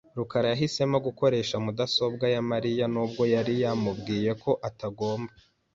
rukara yahisemo gukoresha mudasobwa ya Mariya nubwo yari yamubwiye ko atagomba .